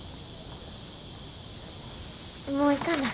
もう行かな。